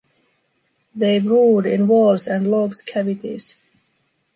They brood in walls and logs cavities.